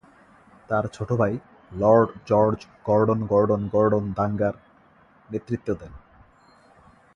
তার ছোট ভাই Lord George Gordon Gordon Gordon দাঙ্গার নেতৃত্ব দেন।